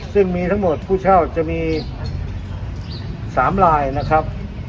ซึ่งมีทั้งหมดผู้เช่าจะมี๓ลายนะครับ